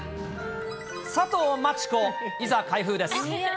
佐藤真知子、いざ、開封です。